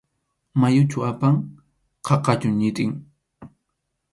¿Mayuchu apan?, ¿qaqachu ñitin?